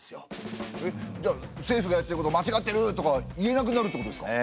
えっじゃあ「政府がやってることまちがってる！」とか言えなくなるってことですか？